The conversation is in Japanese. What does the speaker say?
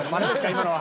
今のは。